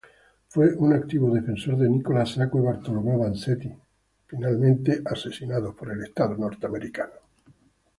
Fue un activo defensor de Nicola Sacco y Bartolomeo Vanzetti, finalmente ejecutados.